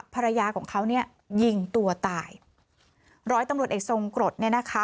ภรรยาของเขาเนี่ยยิงตัวตายร้อยตำรวจเอกทรงกรดเนี่ยนะคะ